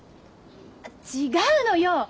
違うのよ！